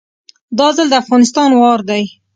دا ځل د افغانستان وار دی